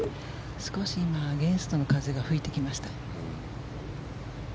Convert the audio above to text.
少し今、アゲンストの風が吹いてきました。